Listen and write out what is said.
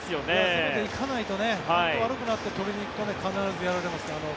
攻めていかないと悪くなってから取りにいくと必ずやられます。